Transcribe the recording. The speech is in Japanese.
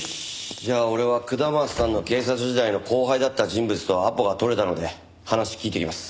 じゃあ俺は下松さんの警察時代の後輩だった人物とアポが取れたので話聞いてきます。